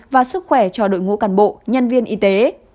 và sức khỏe cho đội ngũ cán bộ nhân viên y tế